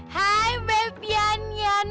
hai beb yan yan